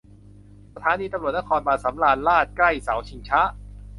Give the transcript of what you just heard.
สถานีตำรวจนครบาลสำราญราษฎร์ ใกล้เสาชิงช้า